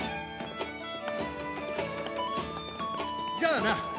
じゃあな。